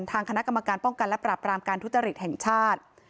ทางคณะกรรมการป้องกันและปรับรามการทุจริตแห่งชาติ